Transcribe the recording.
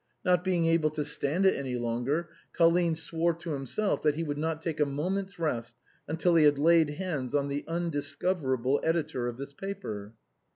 Not being able to stand it any longer. Colline swore to himself that he would not take a moment's rest till he had laid hands on the undiscoverable editor of this paper.